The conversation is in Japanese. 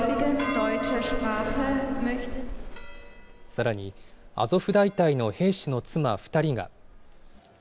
さらに、アゾフ大隊の兵士の妻２人が。